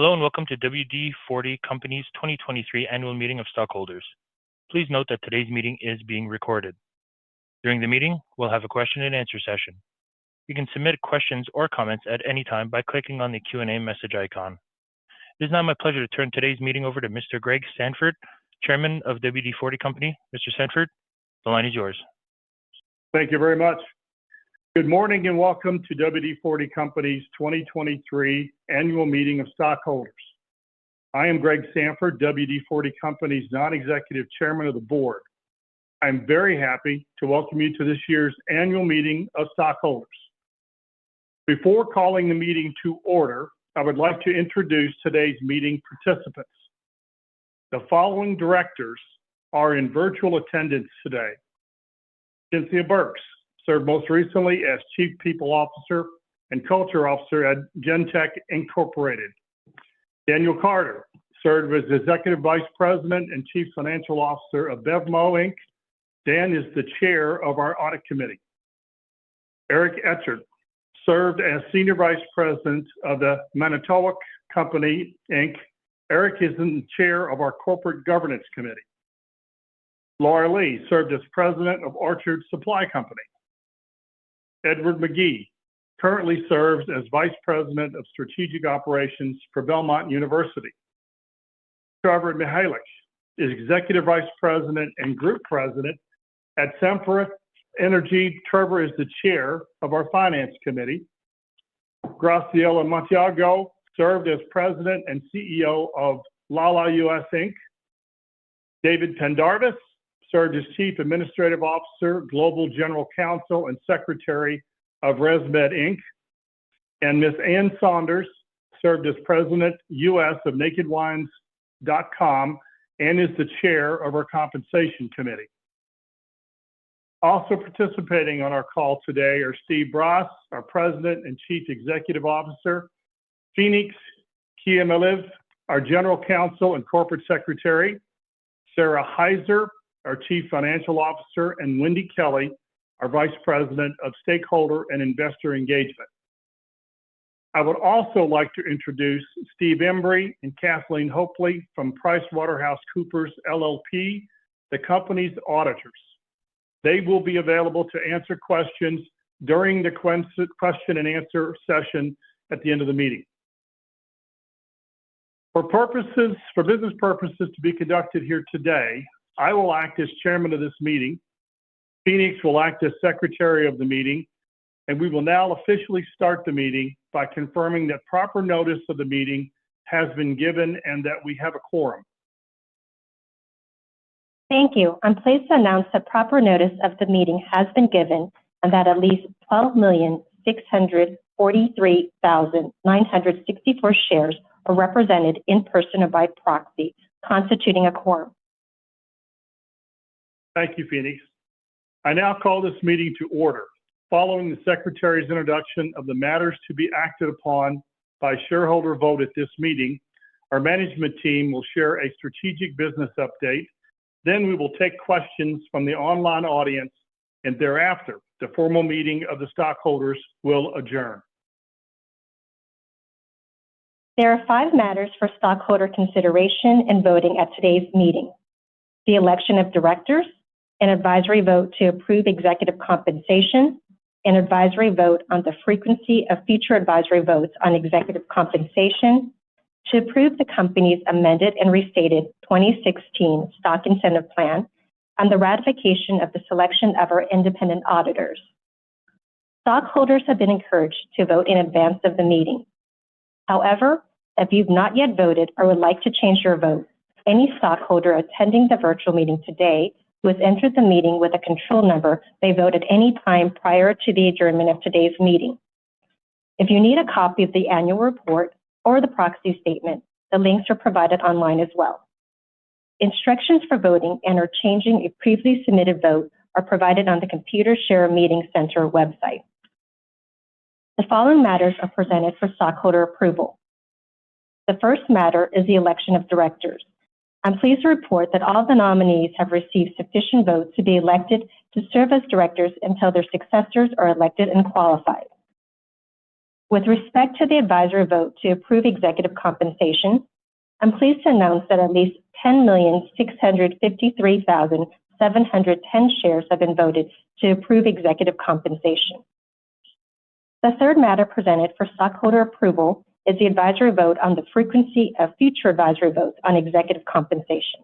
Hello, and welcome to WD-40 Company's 2023 Annual Meeting of Stockholders. Please note that today's meeting is being recorded. During the meeting, we'll have a question and answer session. You can submit questions or comments at any time by clicking on the Q&A message icon. It is now my pleasure to turn today's meeting over to Mr. Gregory Sandfort, Chairman of WD-40 Company. Mr. Sandfort, the line is yours. Thank you very much. Good morning, and welcome to WD-40 Company's 2023 Annual Meeting of Stockholders. I am Gregory Sandfort, WD-40 Company's Non-Executive Chairman of the Board. I'm very happy to welcome you to this year's Annual Meeting of Stockholders. Before calling the meeting to order, I would like to introduce today's meeting participants. The following directors are in virtual attendance today: Cynthia Burks, served most recently as Chief People Officer and Culture Officer at Genentech, Inc. Daniel Carter, served as Executive Vice President and Chief Financial Officer of BevMo! Inc. Dan is the Chair of our Audit Committee. Eric Etchart, served as Senior Vice President of the Manitowoc Company Inc. Eric is the Chair of our Corporate Governance Committee. Lara Lee, served as President of Orchard Supply Company. Edward Magee, currently serves as Vice President of Strategic Operations for Belmont University. Trevor Mihalik is Executive Vice President and Group President at Sempra Energy. Trevor is the Chair of our Finance Committee. Graciela Monteagudo served as President and CEO of Lala US Inc. David Pendarvis served as Chief Administrative Officer, Global General Counsel, and Secretary of ResMed Inc. And Ms. Anne Saunders served as President, US of NakedWines.com and is the Chair of our Compensation Committee. Also participating on our call today are Steve Brass, our President and Chief Executive Officer, Phenix Kiamilev, our General Counsel and Corporate Secretary, Sara Hyzer, our Chief Financial Officer, and Wendy Kelley, our Vice President of Stakeholder and Investor Engagement. I would also like to introduce Steve Embry and Kathleen Hopley from PricewaterhouseCoopers LLP, the company's auditors. They will be available to answer questions during the question and answer session at the end of the meeting. For business purposes to be conducted here today, I will act as Chairman of this meeting, Phenix will act as Secretary of the meeting, and we will now officially start the meeting by confirming that proper notice of the meeting has been given and that we have a quorum. Thank you. I'm pleased to announce that proper notice of the meeting has been given, and that at least 12,643,964 shares are represented in person or by proxy, constituting a quorum. Thank you, Phenix. I now call this meeting to order. Following the secretary's introduction of the matters to be acted upon by shareholder vote at this meeting, our management team will share a strategic business update. Then we will take questions from the online audience, and thereafter, the formal meeting of the stockholders will adjourn. There are 5 matters for stockholder consideration and voting at today's meeting: the election of directors, an advisory vote to approve executive compensation, an advisory vote on the frequency of future advisory votes on executive compensation, to approve the Company's amended and restated 2016 Stock Incentive Plan, and the ratification of the selection of our independent auditors. Stockholders have been encouraged to vote in advance of the meeting. However, if you've not yet voted or would like to change your vote, any stockholder attending the virtual meeting today who has entered the meeting with a control number, may vote at any time prior to the adjournment of today's meeting. If you need a copy of the annual report or the proxy statement, the links are provided online as well. Instructions for voting and/or changing a previously submitted vote are provided on the Computershare Meeting Center website. The following matters are presented for stockholder approval. The first matter is the election of directors. I'm pleased to report that all the nominees have received sufficient votes to be elected to serve as directors until their successors are elected and qualified. With respect to the advisory vote to approve executive compensation, I'm pleased to announce that at least 10,653,710 shares have been voted to approve executive compensation. The third matter presented for stockholder approval is the advisory vote on the frequency of future advisory votes on executive compensation.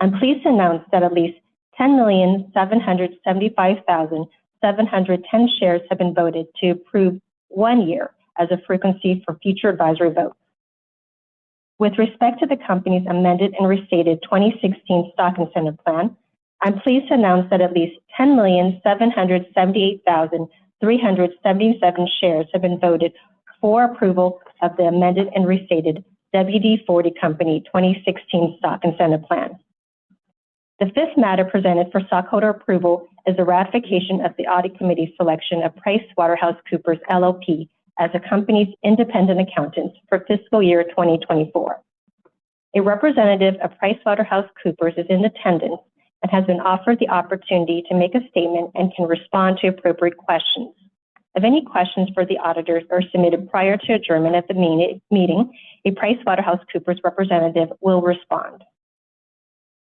I'm pleased to announce that at least 10,775,710 shares have been voted to approve one year as a frequency for future advisory votes. With respect to the Company's amended and restated 2016 Stock Incentive Plan, I'm pleased to announce that at least 10,778,377 shares have been voted for approval of the amended and restated WD-40 Company 2016 Stock Incentive Plan. The fifth matter presented for stockholder approval is the ratification of the Audit Committee's selection of PricewaterhouseCoopers LLP as the Company's independent accountants for fiscal year 2024.... A representative of PricewaterhouseCoopers LLP is in attendance and has been offered the opportunity to make a statement and can respond to appropriate questions. If any questions for the auditors are submitted prior to adjournment at the meeting, a PricewaterhouseCoopers LLP representative will respond.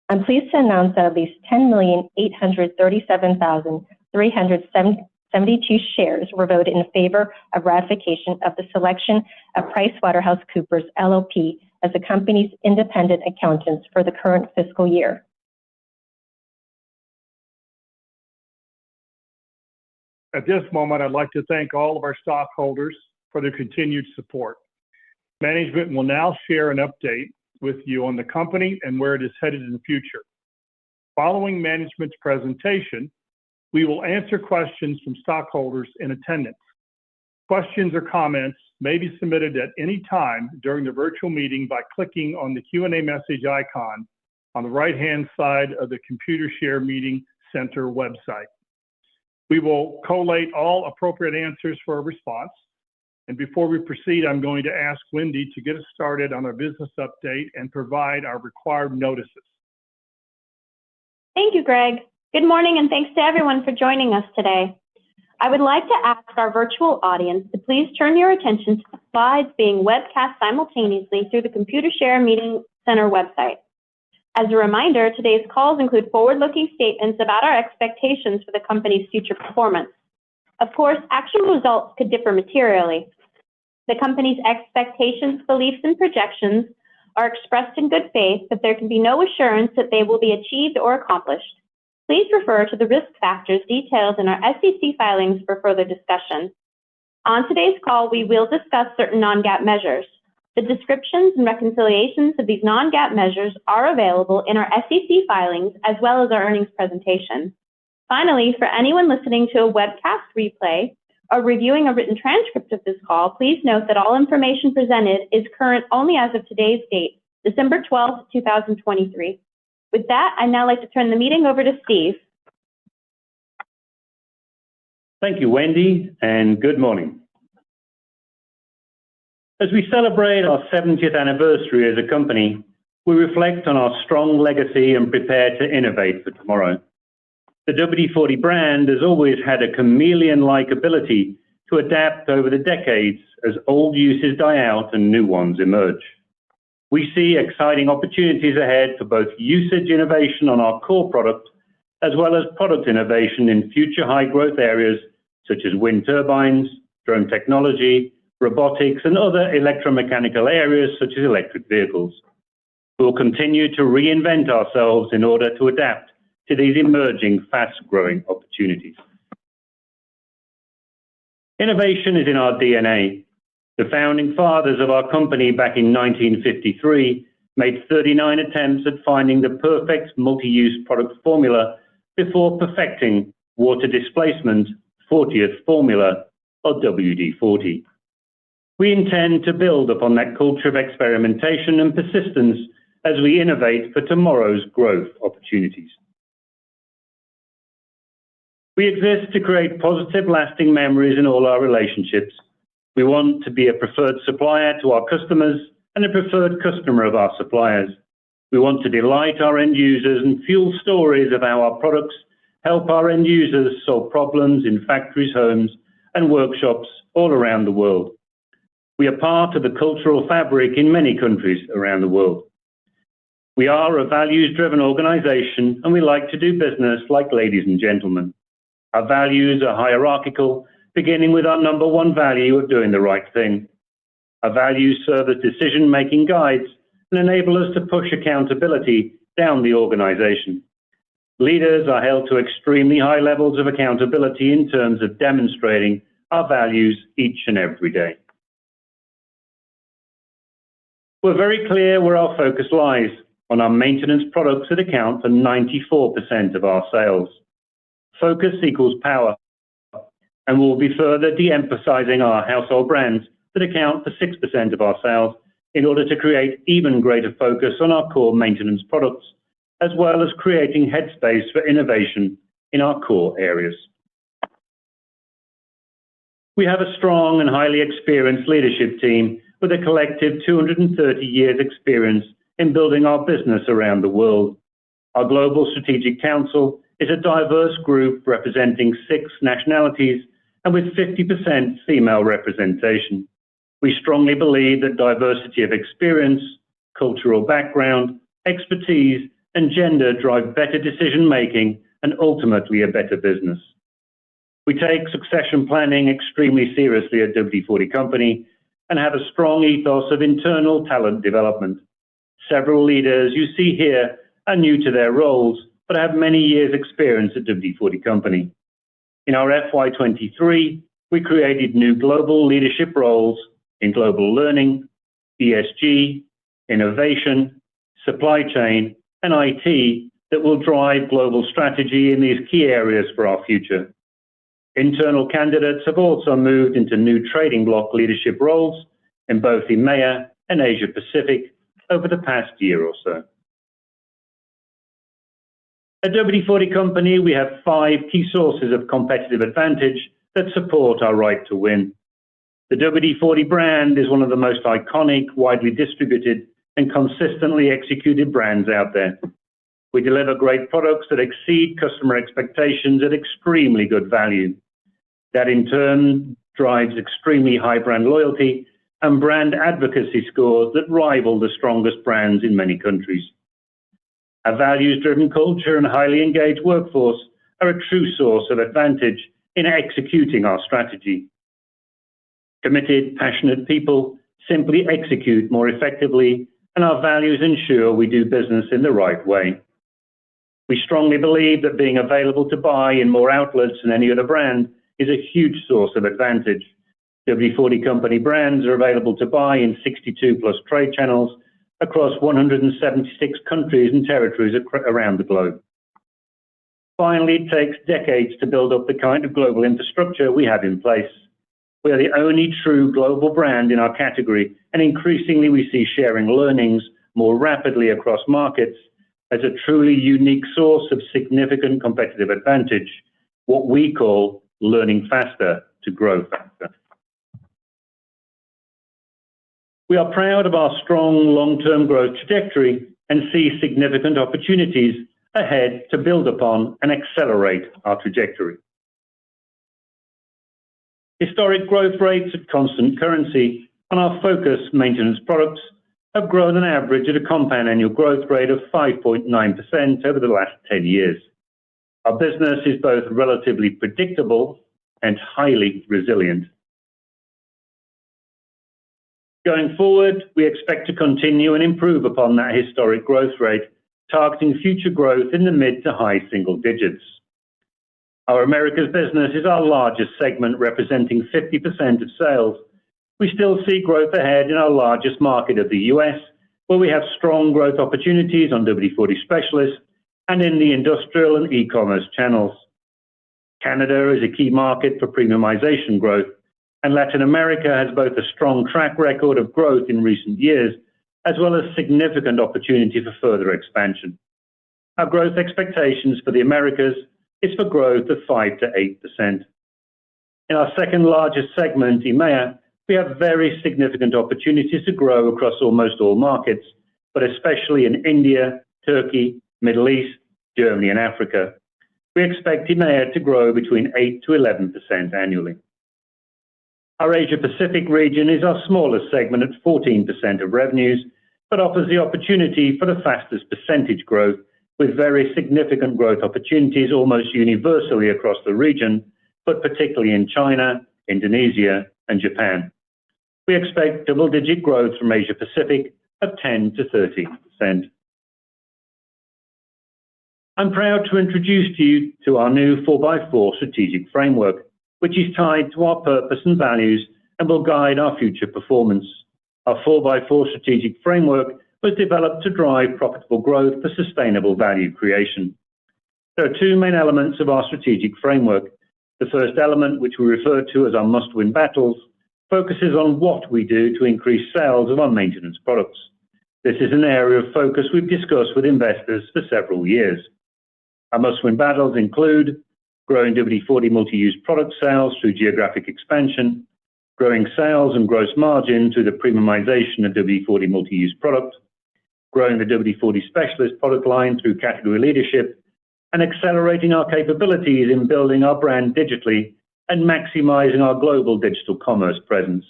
I'm pleased to announce that at least 10,837,372 shares were voted in favor of ratification of the selection of PricewaterhouseCoopers LLP as the company's independent accountants for the current fiscal year. At this moment, I'd like to thank all of our stockholders for their continued support. Management will now share an update with you on the company and where it is headed in the future. Following management's presentation, we will answer questions from stockholders in attendance. Questions or comments may be submitted at any time during the virtual meeting by clicking on the Q&A message icon on the right-hand side of the Computershare Meeting Center website. We will collate all appropriate answers for a response, and before we proceed, I'm going to ask Wendy to get us started on our business update and provide our required notices. Thank you, Greg. Good morning, and thanks to everyone for joining us today. I would like to ask our virtual audience to please turn your attention to the slides being webcast simultaneously through the Computershare Meeting Center website. As a reminder, today's call includes forward-looking statements about our expectations for the company's future performance. Of course, actual results could differ materially. The company's expectations, beliefs, and projections are expressed in good faith, but there can be no assurance that they will be achieved or accomplished. Please refer to the risk factors detailed in our SEC filings for further discussion. On today's call, we will discuss certain non-GAAP measures. The descriptions and reconciliations of these non-GAAP measures are available in our SEC filings as well as our earnings presentation. Finally, for anyone listening to a webcast replay or reviewing a written transcript of this call, please note that all information presented is current only as of today's date, December 12, 2023. With that, I'd now like to turn the meeting over to Steve. Thank you, Wendy, and good morning. As we celebrate our 70th anniversary as a company, we reflect on our strong legacy and prepare to innovate for tomorrow. The WD-40 brand has always had a chameleon-like ability to adapt over the decades as old uses die out and new ones emerge. We see exciting opportunities ahead for both usage innovation on our core products, as well as product innovation in future high-growth areas such as wind turbines, drone technology, robotics, and other electromechanical areas such as electric vehicles. We will continue to reinvent ourselves in order to adapt to these emerging, fast-growing opportunities. Innovation is in our DNA. The founding fathers of our company back in 1953 made 39 attempts at finding the perfect multi-use product formula before perfecting Water Displacement, 40th Formula or WD-40. We intend to build upon that culture of experimentation and persistence as we innovate for tomorrow's growth opportunities. We exist to create positive, lasting memories in all our relationships. We want to be a preferred supplier to our customers and a preferred customer of our suppliers. We want to delight our end users and fuel stories of how our products help our end users solve problems in factories, homes, and workshops all around the world. We are part of the cultural fabric in many countries around the world. We are a values-driven organization, and we like to do business like ladies and gentlemen. Our values are hierarchical, beginning with our number one value of doing the right thing. Our values serve as decision-making guides and enable us to push accountability down the organization. Leaders are held to extremely high levels of accountability in terms of demonstrating our values each and every day. We're very clear where our focus lies, on our maintenance products that account for 94% of our sales. Focus equals power, and we'll be further de-emphasizing our household brands that account for 6% of our sales in order to create even greater focus on our core maintenance products, as well as creating headspace for innovation in our core areas. We have a strong and highly experienced leadership team with a collective 230 years experience in building our business around the world. Our Global Strategic Council is a diverse group representing 6 nationalities and with 50% female representation. We strongly believe that diversity of experience, cultural background, expertise, and gender drive better decision-making and ultimately a better business. We take succession planning extremely seriously at WD-40 Company and have a strong ethos of internal talent development. Several leaders you see here are new to their roles but have many years' experience at WD-40 Company. In our FY 2023, we created new global leadership roles in global learning, ESG, innovation, supply chain, and IT that will drive global strategy in these key areas for our future. Internal candidates have also moved into new trading bloc leadership roles in both EMEA and Asia Pacific over the past year or so.... At WD-40 Company, we have five key sources of competitive advantage that support our right to win. The WD-40 brand is one of the most iconic, widely distributed, and consistently executed brands out there. We deliver great products that exceed customer expectations at extremely good value. That, in turn, drives extremely high brand loyalty and brand advocacy scores that rival the strongest brands in many countries. Our values-driven culture and highly engaged workforce are a true source of advantage in executing our strategy. Committed, passionate people simply execute more effectively, and our values ensure we do business in the right way. We strongly believe that being available to buy in more outlets than any other brand is a huge source of advantage. WD-40 Company brands are available to buy in 62+ trade channels across 176 countries and territories around the globe. Finally, it takes decades to build up the kind of global infrastructure we have in place. We are the only true global brand in our category, and increasingly we see sharing learnings more rapidly across markets as a truly unique source of significant competitive advantage, what we call learning faster to grow faster. We are proud of our strong long-term growth trajectory and see significant opportunities ahead to build upon and accelerate our trajectory. Historic growth rates at constant currency and our focused maintenance products have grown on average at a compound annual growth rate of 5.9% over the last 10 years. Our business is both relatively predictable and highly resilient. Going forward, we expect to continue and improve upon that historic growth rate, targeting future growth in the mid- to high-single digits. Our Americas business is our largest segment, representing 50% of sales. We still see growth ahead in our largest market of the US, where we have strong growth opportunities on WD-40 Specialist and in the industrial and e-commerce channels. Canada is a key market for premiumization growth, and Latin America has both a strong track record of growth in recent years, as well as significant opportunity for further expansion. Our growth expectations for the Americas is for growth of 5%-8%. In our second-largest segment, EMEA, we have very significant opportunities to grow across almost all markets, but especially in India, Turkey, Middle East, Germany, and Africa. We expect EMEA to grow between 8%-11% annually. Our Asia Pacific region is our smallest segment at 14% of revenues, but offers the opportunity for the fastest percentage growth, with very significant growth opportunities almost universally across the region, but particularly in China, Indonesia, and Japan. We expect double-digit growth from Asia Pacific of 10%-13%. I'm proud to introduce to you to our new Four-by-Four Strategic Framework, which is tied to our purpose and values and will guide our future performance. Our Four-by-Four Strategic Framework was developed to drive profitable growth for sustainable value creation. There are two main elements of our strategic framework. The first element, which we refer to as our Must-Win Battles, focuses on what we do to increase sales of our maintenance products. This is an area of focus we've discussed with investors for several years. Our Must-Win Battles include growing WD-40 Multi-Use Product sales through geographic expansion, growing sales and gross margin through the premiumization of WD-40 Multi-Use Product, growing the WD-40 Specialist product line through category leadership, and accelerating our capabilities in building our brand digitally and maximizing our global digital commerce presence.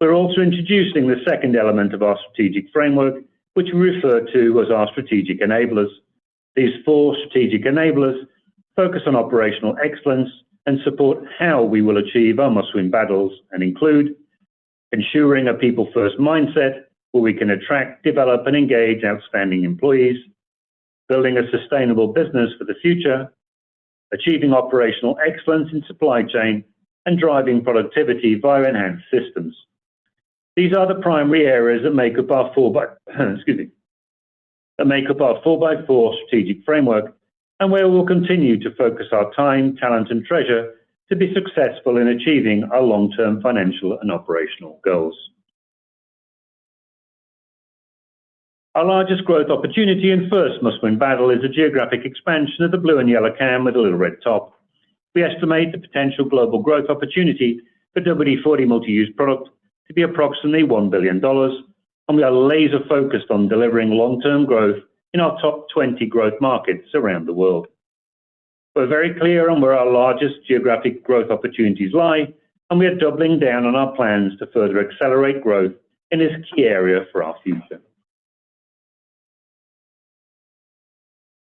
We're also introducing the second element of our strategic framework, which we refer to as our Strategic Enablers. These four Strategic Enablers focus on operational excellence and support how we will achieve our Must-Win Battles and include ensuring a people-first mindset, where we can attract, develop, and engage outstanding employees, building a sustainable business for the future, achieving operational excellence in supply chain, and driving productivity via enhanced systems. These are the primary areas that make up our four by, excuse me, that make up our Four-by-Four Strategic Framework and where we will continue to focus our time, talent, and treasure to be successful in achieving our long-term financial and operational goals. Our largest growth opportunity and first Must-Win Battles is the geographic expansion of the blue and yellow can with a little red top. We estimate the potential global growth opportunity for WD-40 Multi-Use Product to be approximately $1 billion, and we are laser-focused on delivering long-term growth in our top 20 growth markets around the world. We're very clear on where our largest geographic growth opportunities lie, and we are doubling down on our plans to further accelerate growth in this key area for our future.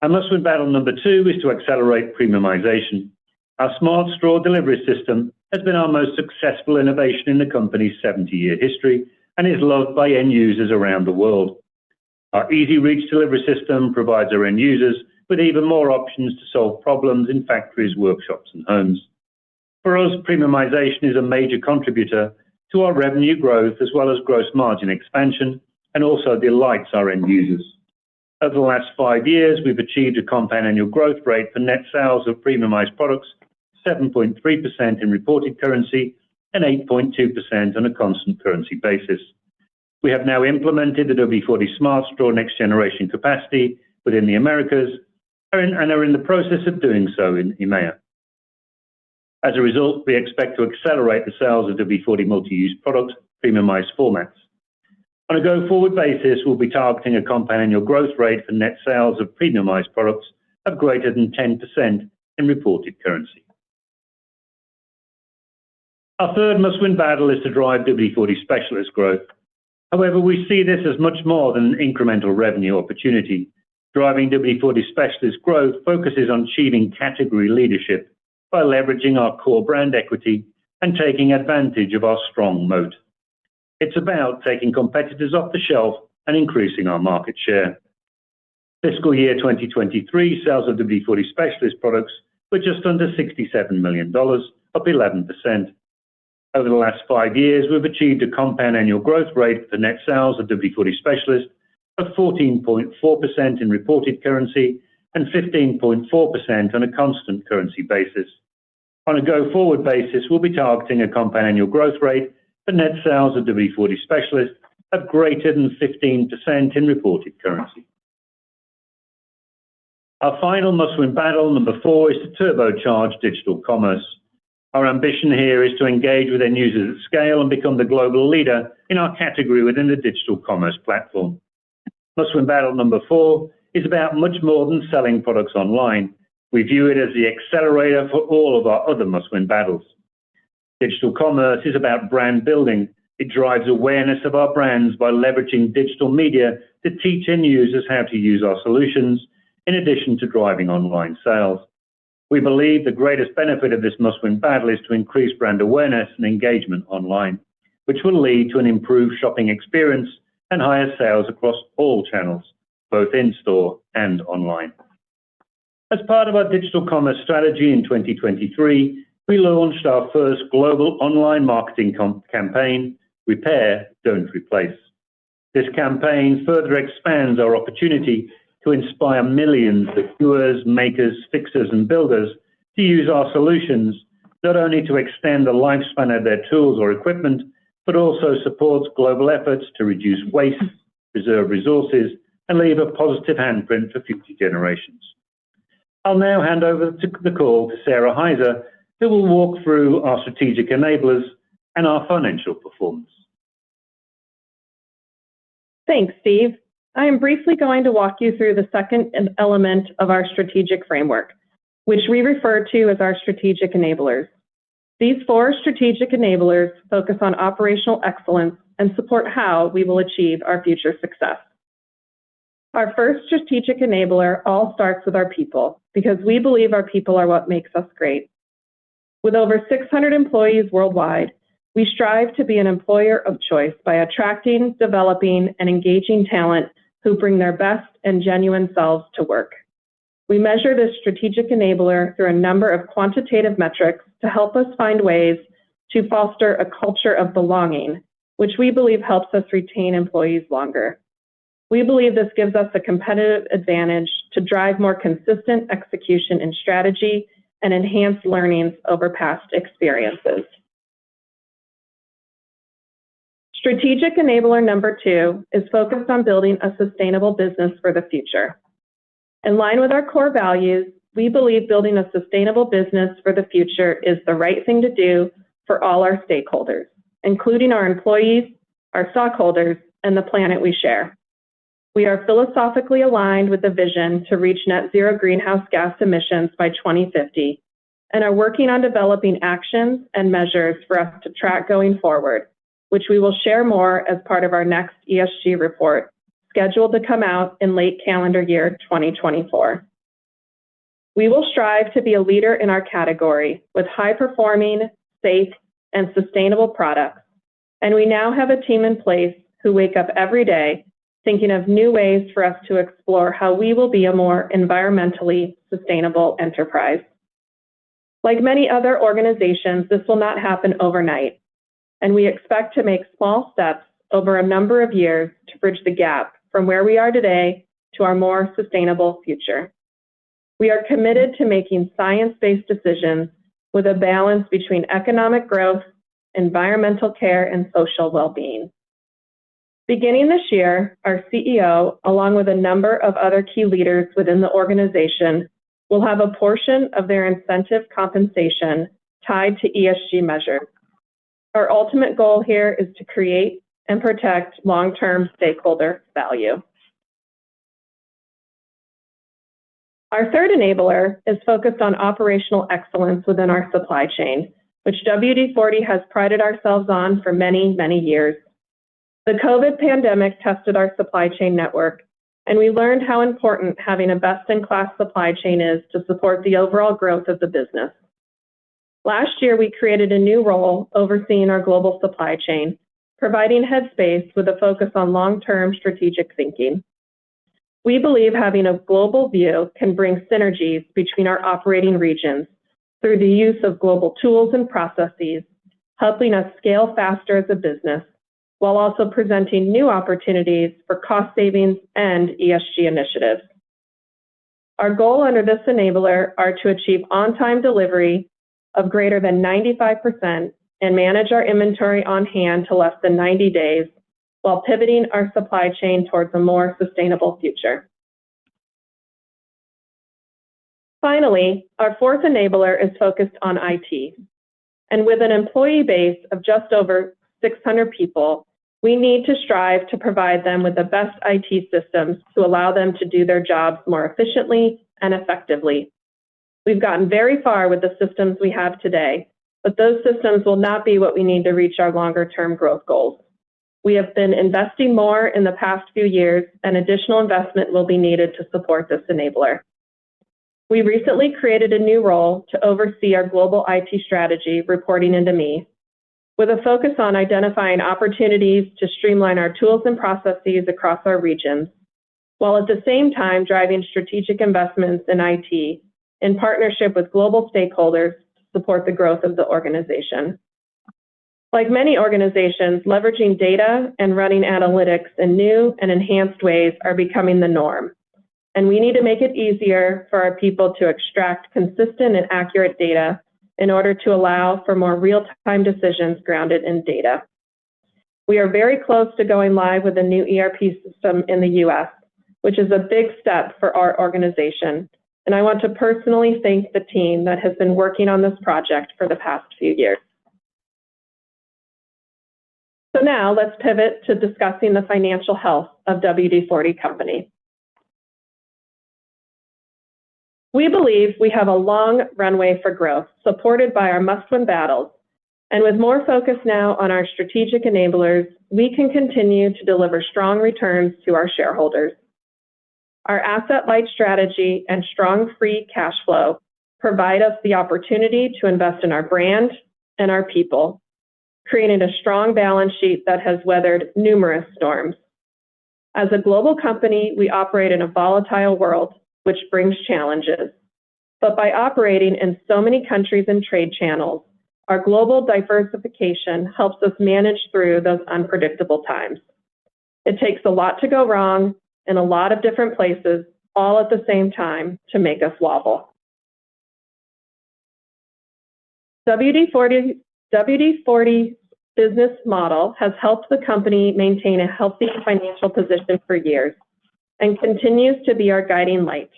Our Must-Win Battles number two is to accelerate premiumization. Our Smart Straw delivery system has been our most successful innovation in the company's 70-year history and is loved by end users around the world. Our EZ-REACH delivery system provides our end users with even more options to solve problems in factories, workshops, and homes. For us, premiumization is a major contributor to our revenue growth as well as gross margin expansion, and also delights our end users. Over the last five years, we've achieved a compound annual growth rate for net sales of premiumized products, 7.3% in reported currency and 8.2% on a constant currency basis. We have now implemented the WD-40 Smart Straw next-generation capacity within the Americas, and are in the process of doing so in EMEA. As a result, we expect to accelerate the sales of WD-40 Multi-Use products, premiumized formats. On a go-forward basis, we'll be targeting a compound annual growth rate for net sales of premiumized products of greater than 10% in reported currency. Our third Must-Win Battle is to drive WD-40 Specialist growth. However, we see this as much more than an incremental revenue opportunity. Driving WD-40 Specialist growth focuses on achieving category leadership by leveraging our core brand equity and taking advantage of our strong moat. It's about taking competitors off the shelf and increasing our market share. Fiscal year 2023, sales of WD-40 Specialist products were just under $67 million, up 11%. Over the last five years, we've achieved a compound annual growth rate for net sales of WD-40 Specialist of 14.4% in reported currency and 15.4% on a constant currency basis. On a go-forward basis, we'll be targeting a compound annual growth rate for net sales of WD-40 Specialist of greater than 15% in reported currency. Our final Must-Win Battle, number 4, is to turbocharge digital commerce. Our ambition here is to engage with end users at scale and become the global leader in our category within the digital commerce platform. Must-Win Battle number 4 is about much more than selling products online. We view it as the accelerator for all of our other Must-Win Battles. Digital commerce is about brand building. It drives awareness of our brands by leveraging digital media to teach end users how to use our solutions, in addition to driving online sales. We believe the greatest benefit of this Must-Win Battles is to increase brand awareness and engagement online, which will lead to an improved shopping experience and higher sales across all channels, both in-store and online. As part of our digital commerce strategy in 2023, we launched our first global online marketing campaign, Repair, Don't Replace. This campaign further expands our opportunity to inspire millions of doers, makers, fixers, and builders to use our solutions, not only to extend the lifespan of their tools or equipment, but also supports global efforts to reduce waste, preserve resources, and leave a positive handprint for future generations. I'll now hand over the call to Sara Hyzer, who will walk through our strategic enablers and our financial performance. Thanks, Steve. I am briefly going to walk you through the second element of our strategic framework, which we refer to as our strategic enablers. These four strategic enablers focus on operational excellence and support how we will achieve our future success. Our first strategic enabler all starts with our people, because we believe our people are what makes us great. With over 600 employees worldwide, we strive to be an employer of choice by attracting, developing, and engaging talent who bring their best and genuine selves to work. We measure this strategic enabler through a number of quantitative metrics to help us find ways to foster a culture of belonging, which we believe helps us retain employees longer. We believe this gives us a competitive advantage to drive more consistent execution and strategy and enhance learnings over past experiences. Strategic enabler number 2 is focused on building a sustainable business for the future. In line with our core values, we believe building a sustainable business for the future is the right thing to do for all our stakeholders, including our employees, our stockholders, and the planet we share. We are philosophically aligned with the vision to reach net zero greenhouse gas emissions by 2050, and are working on developing actions and measures for us to track going forward, which we will share more as part of our next ESG report, scheduled to come out in late calendar year 2024. We will strive to be a leader in our category with high-performing, safe, and sustainable products, and we now have a team in place who wake up every day thinking of new ways for us to explore how we will be a more environmentally sustainable enterprise. Like many other organizations, this will not happen overnight, and we expect to make small steps over a number of years to bridge the gap from where we are today to our more sustainable future. We are committed to making science-based decisions with a balance between economic growth, environmental care, and social well-being. Beginning this year, our CEO, along with a number of other key leaders within the organization, will have a portion of their incentive compensation tied to ESG measures. Our ultimate goal here is to create and protect long-term stakeholder value. Our third enabler is focused on operational excellence within our supply chain, which WD-40 has prided ourselves on for many, many years. The COVID pandemic tested our supply chain network, and we learned how important having a best-in-class supply chain is to support the overall growth of the business. Last year, we created a new role overseeing our global supply chain, providing headspace with a focus on long-term strategic thinking. We believe having a global view can bring synergies between our operating regions through the use of global tools and processes, helping us scale faster as a business, while also presenting new opportunities for cost savings and ESG initiatives. Our goal under this enabler are to achieve on-time delivery of greater than 95% and manage our inventory on hand to less than 90 days, while pivoting our supply chain towards a more sustainable future. Finally, our fourth enabler is focused on IT, and with an employee base of just over 600 people, we need to strive to provide them with the best IT systems to allow them to do their jobs more efficiently and effectively. We've gotten very far with the systems we have today, but those systems will not be what we need to reach our longer term growth goals. We have been investing more in the past few years, and additional investment will be needed to support this enabler. We recently created a new role to oversee our global IT strategy, reporting into me, with a focus on identifying opportunities to streamline our tools and processes across our regions, while at the same time driving strategic investments in IT, in partnership with global stakeholders to support the growth of the organization. Like many organizations, leveraging data and running analytics in new and enhanced ways are becoming the norm, and we need to make it easier for our people to extract consistent and accurate data in order to allow for more real-time decisions grounded in data. We are very close to going live with a new ERP system in the U.S., which is a big step for our organization, and I want to personally thank the team that has been working on this project for the past few years. So now let's pivot to discussing the financial health of WD-40 Company. We believe we have a long runway for growth, supported by our Must-Win Battles, and with more focus now on our Strategic Enablers, we can continue to deliver strong returns to our shareholders. Our asset-light strategy and strong free cash flow provide us the opportunity to invest in our brand and our people, creating a strong balance sheet that has weathered numerous storms. As a global company, we operate in a volatile world, which brings challenges, but by operating in so many countries and trade channels, our global diversification helps us manage through those unpredictable times. It takes a lot to go wrong in a lot of different places, all at the same time, to make us wobble. WD-40, WD-40 business model has helped the company maintain a healthy financial position for years and continues to be our guiding light.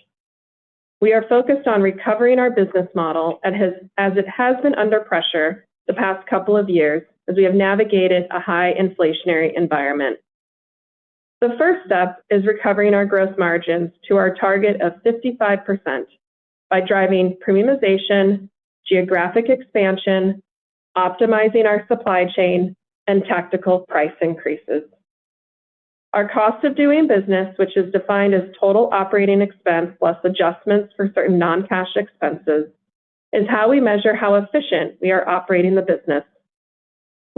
We are focused on recovering our business model, as it has been under pressure the past couple of years as we have navigated a high inflationary environment. The first step is recovering our gross margins to our target of 55% by driving premiumization, geographic expansion, optimizing our supply chain, and tactical price increases. Our Cost of Doing Business, which is defined as total operating expense plus adjustments for certain non-cash expenses, is how we measure how efficient we are operating the business.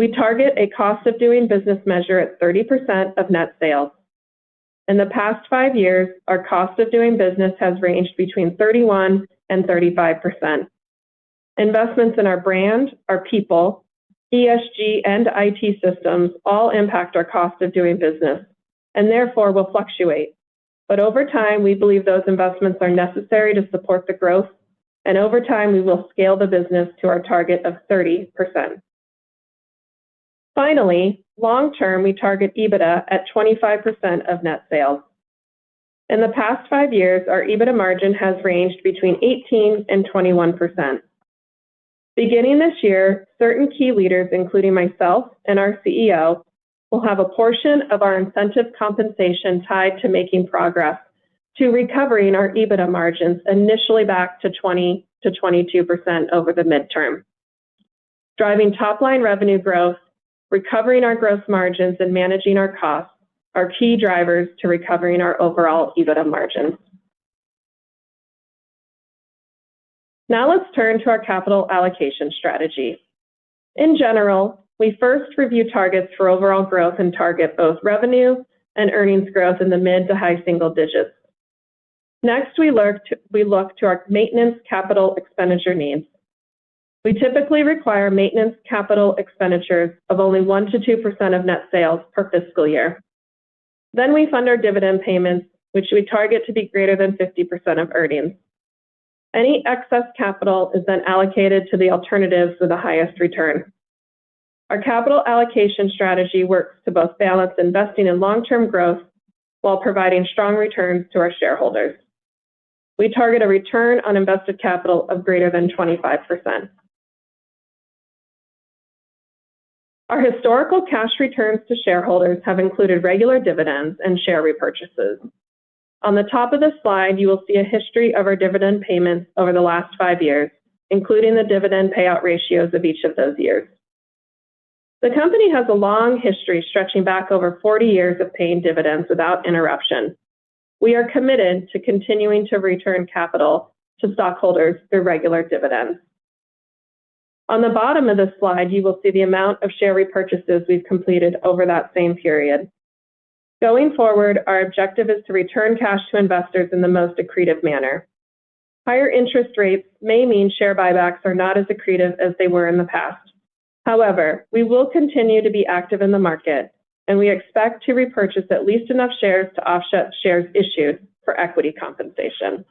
We target a Cost of Doing Business measure at 30% of net sales. In the past five years, our Cost of Doing Business has ranged between 31% and 35%. Investments in our brand, our people, ESG, and IT systems all impact our Cost of Doing Business and therefore will fluctuate. But over time, we believe those investments are necessary to support the growth, and over time, we will scale the business to our target of 30%. Finally, long term, we target EBITDA at 25% of net sales. In the past five years, our EBITDA margin has ranged between 18% and 21%. Beginning this year, certain key leaders, including myself and our CEO, will have a portion of our incentive compensation tied to making progress to recovering our EBITDA margins, initially back to 20%-22% over the midterm. Driving top-line revenue growth, recovering our gross margins, and managing our costs are key drivers to recovering our overall EBITDA margins. Now let's turn to our capital allocation strategy. In general, we first review targets for overall growth and target both revenue and earnings growth in the mid to high single digits. Next, we look to our maintenance capital expenditure needs. We typically require maintenance capital expenditures of only 1%-2% of net sales per fiscal year. Then we fund our dividend payments, which we target to be greater than 50% of earnings. Any excess capital is then allocated to the alternatives with the highest return. Our capital allocation strategy works to both balance investing in long-term growth while providing strong returns to our shareholders. We target a return on invested capital of greater than 25%. Our historical cash returns to shareholders have included regular dividends and share repurchases. On the top of this slide, you will see a history of our dividend payments over the last five years, including the dividend payout ratios of each of those years. The company has a long history, stretching back over 40 years of paying dividends without interruption. We are committed to continuing to return capital to stockholders through regular dividends. On the bottom of this slide, you will see the amount of share repurchases we've completed over that same period. Going forward, our objective is to return cash to investors in the most accretive manner. Higher interest rates may mean share buybacks are not as accretive as they were in the past. However, we will continue to be active in the market, and we expect to repurchase at least enough shares to offset shares issued for equity compensation.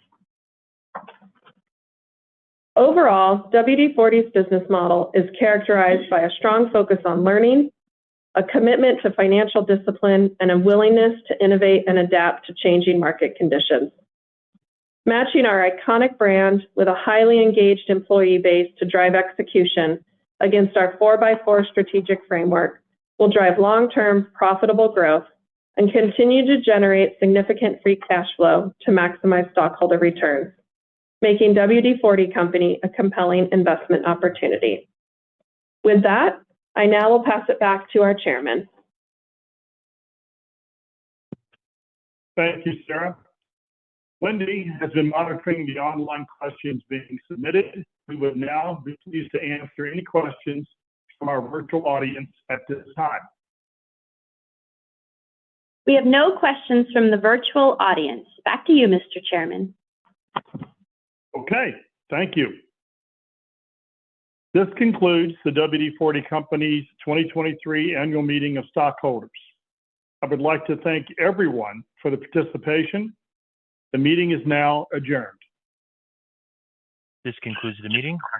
Overall, WD-40's business model is characterized by a strong focus on learning, a commitment to financial discipline, and a willingness to innovate and adapt to changing market conditions. Matching our iconic brand with a highly engaged employee base to drive execution against our Four-by-Four Strategic Framework will drive long-term, profitable growth and continue to generate significant free cash flow to maximize stockholder returns, making WD-40 Company a compelling investment opportunity. With that, I now will pass it back to our chairman. Thank you, Sara. Wendy has been monitoring the online questions being submitted. We will now be pleased to answer any questions from our virtual audience at this time. We have no questions from the virtual audience. Back to you, Mr. Chairman. Okay, thank you. This concludes the WD-40 Company's 2023 Annual Meeting of Stockholders. I would like to thank everyone for the participation. The meeting is now adjourned. This concludes the meeting.